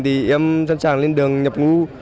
thì em sẵn sàng lên đường nhập ngũ